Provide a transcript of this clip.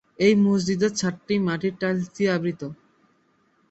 এই মসজিদের ছাদটি মাটির টাইলস দিয়ে আবৃত।